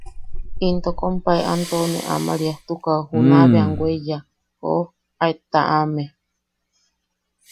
Into kompae Antonio Amariastukaʼu juna bea am weiya, ¡joo!, aet taʼame.